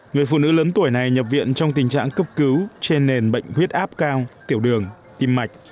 người phụ nữ lớn tuổi này nhập viện trong tình trạng cấp cứu trên nền bệnh huyết áp cao tiểu đường tim mạch